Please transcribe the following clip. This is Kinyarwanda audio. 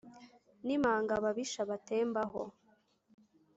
n’imanga ababisha batemba ho